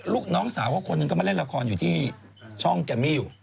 น้องสาวเขาคนหนึ่งก็มาเล่นละครอยู่ที่ช่องแกมมี่อยู่